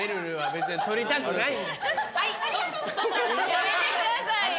やめてくださいよ。